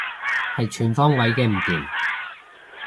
係全方位嘅唔掂